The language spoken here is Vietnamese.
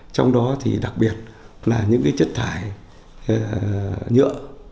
trong đó thì đặc biệt là những chất thải nhựa